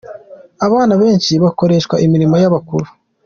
Abana benshi bakoreshwa imirimo y’ abakuru.